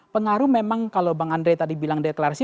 pengaruh memang kalau bang andre tadi bilang deklarasi